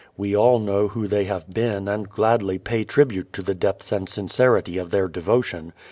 We all know who they have been and gladly pay tribute to the depths and sincerity of their devotion.